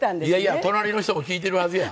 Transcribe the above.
いや隣の人も聞いてるはずや。